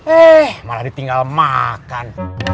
eh malah ditinggal makan